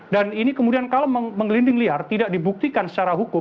dan ini kemudian kalau menggelinding liar tidak dibuktikan secara hukum